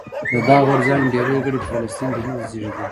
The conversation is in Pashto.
د دغه غورځنګ ډېری غړي په فلسطین کې نه دي زېږېدلي.